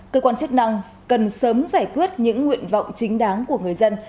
cơ quan chức năng cần sớm giải quyết những nguyện vọng chính đáng của người dân